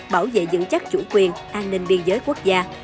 bảo vệ dựng chắc chủ quyền an ninh biên giới quốc gia